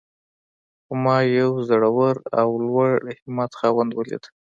خو ما يو زړور او د لوړ همت خاوند وليد.